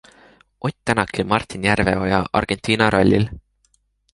Ott Tänak ja Martin Järveoja Argentina rallil.